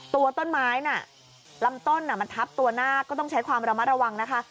ตัวต้นไม้น่ะลำต้นมันทับตัวหน้าก็ต้องใช้ความระมัดระวังนะคะ